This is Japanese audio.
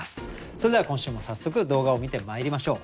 それでは今週も早速動画を観てまいりましょう。